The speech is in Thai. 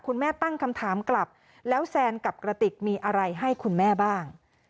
ตั้งคำถามกลับแล้วแซนกับกระติกมีอะไรให้คุณแม่บ้าง